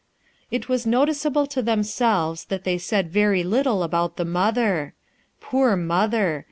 It was noticeable to themselves that they said very little about the mother. Poor mother!